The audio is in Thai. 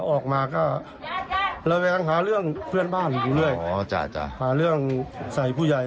ออกมาก็ระแวงหาเรื่องเพื่อนบ้านอยู่เรื่อยอ๋อจ้ะจ้ะหาเรื่องใส่ผู้ใหญ่